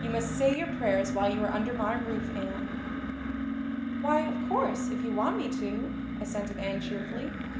"You must say your prayers while you are under my roof, Anne." "Why, of course, if you want me to," assented Anne cheerfully.